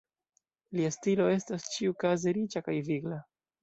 Lia stilo estas, ĉiukaze, riĉa kaj vigla.